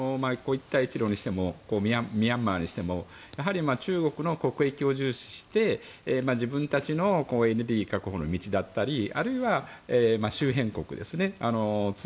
一帯一路にしてもミャンマーにしてもやはり中国の国益を重視して自分たちのエネルギー確保の道だったりあるいは周辺国ですよね。